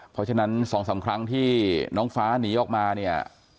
เพราะฉะนั้น๒๓ครั้งที่น้องฟ้าหนีออกมาเนี่ย